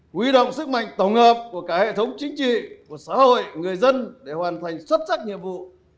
huy động sức mạnh tổng hợp của cả hệ thống chính trị của xã hội người dân để hoàn thành xuất sắc nhiệm vụ